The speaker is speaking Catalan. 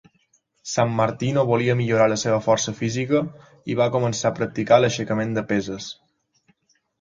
Sammartino volia millorar la seva força física i va començar a practicar l"aixecament de peses.